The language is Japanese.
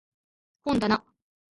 本だな